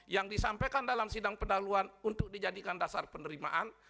yang disampaikan dalam sidang pendahuluan untuk dijadikan dasar penerimaan